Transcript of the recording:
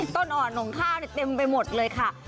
ต้นออดสองข้าวเนี่ยเต็มไปหมดเลยค่ะ